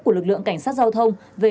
của lực lượng cảnh sát giao thông về